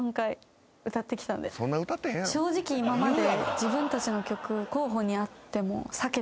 正直今まで。